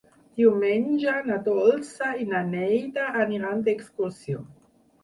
Diumenge na Dolça i na Neida aniran d'excursió.